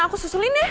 aku susulin ya